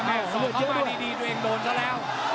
เอาสอบเข้ามาดีตัวเองโดนแล้ว